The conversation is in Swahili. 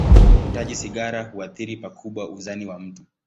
Uvutaji sigara huathiri pakubwa uzani wa mtu.